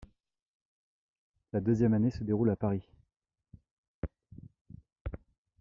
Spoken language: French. La deuxième année se déroule à Paris.